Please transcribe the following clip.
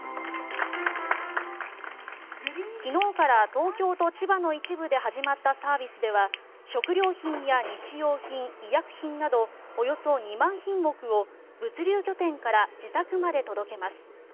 昨日から東京と千葉の一部で始まったサービスでは食料品や日用品、医薬品などおよそ２万品目を物流拠点から自宅まで届けます。